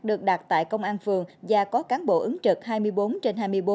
được đặt tại công an phường và có cán bộ ứng trực hai mươi bốn trên hai mươi bốn